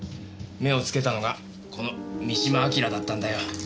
目をつけたのがこの三島章だったんだよ。